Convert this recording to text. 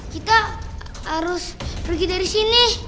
kita harus pergi dari sini